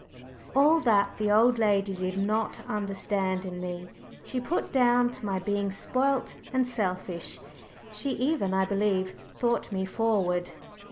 All that the old lady did not understand in me, she put down to my being spoilt and selfish. She even, I believe, thought me forward.